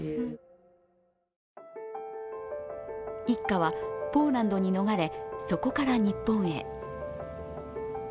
一家はポーランドに逃れ、そこから日本へ。